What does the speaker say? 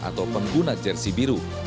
atau pengguna jersi